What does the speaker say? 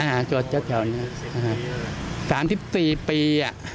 อ่าจอดแชวนี้๓๔ปี